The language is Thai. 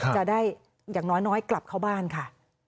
จะได้อย่างน้อยกลับเข้าบ้านค่ะ